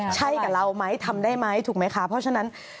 ใช่กับเราไหมทำได้ไหมถูกไหมคะเพราะฉะนั้น